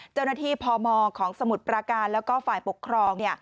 เจ้าหน้าที่พมของสมุทรปราการแล้วก็ฝ่ายปกครอง